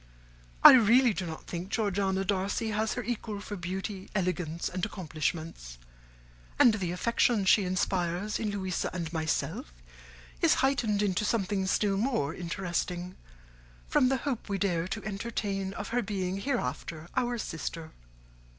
I really do not think Georgiana Darcy has her equal for beauty, elegance, and accomplishments; and the affection she inspires in Louisa and myself is heightened into something still more interesting from the hope we dare to entertain of her being hereafter our sister.